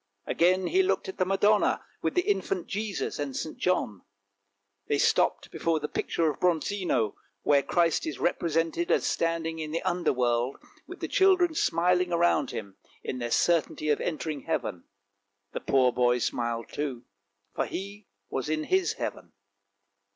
Again he looked at the Madonna, with the infant Jesus and St. John. They stopped before the picture of Bronzino, where Christ is represented as standing in the under world, with the children smiling around Him, in their certainty of entering heaven. The poor boy smiled too, for he was in his heaven.